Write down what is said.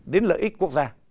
đến lợi ích quốc gia